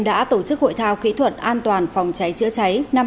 đã tổ chức hội thao kỹ thuật an toàn phòng cháy chữa cháy năm hai nghìn hai mươi